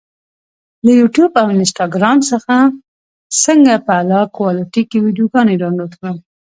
له یوټیوب او انسټاګرام څخه څنګه په اعلی کوالټي کې ویډیوګانې ډاونلوډ کړم؟